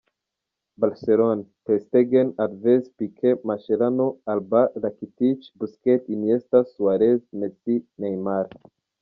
Barcelone: Ter Stegen; Alves, Piqué, Mascherano, Alba ; Rakitić, Busquets, Iniesta; Suárez, Messi, Neymar.